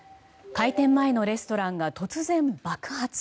開店前のレストランが突然爆発。